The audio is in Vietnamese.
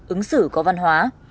ứng xử có văn hóa